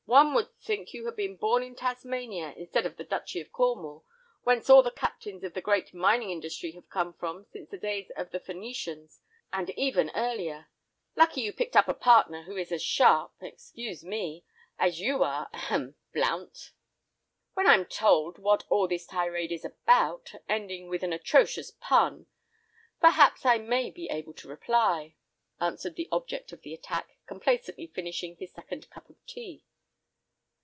One would think you had been born in Tasmania, instead of the Duchy of Cornwall, whence all the Captains of the great mining industry have come from since the days of the Phœnicians and even earlier. Lucky you picked up a partner who is as sharp, excuse me, as you are—ahem—Blount!" "When I'm told what all this tirade is about, ending with an atrocious pun, perhaps I may be able to reply," answered the object of the attack, complacently finishing his second cup of tea.